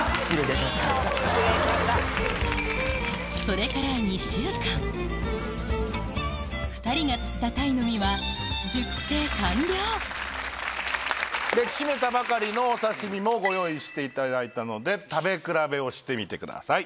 それから２人が釣ったタイの身はで締めたばかりのお刺し身もご用意していただいたので食べ比べをしてみてください。